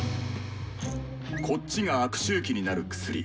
こっちが悪周期になる薬。